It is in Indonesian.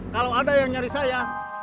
kalau ada yang nyari saya